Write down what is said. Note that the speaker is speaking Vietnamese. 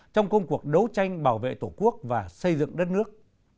trong công cuộc đấu tranh bảo vệ tổ quốc và xây dựng đất nước